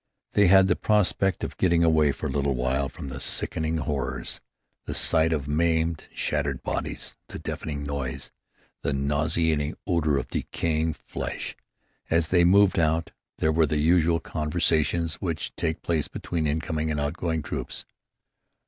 They had the prospect of getting away for a little while from the sickening horrors: the sight of maimed and shattered bodies, the deafening noise, the nauseating odor of decaying flesh. As they moved out there were the usual conversations which take place between incoming and outgoing troops.